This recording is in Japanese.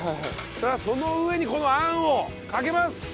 さあその上にこのあんをかけます！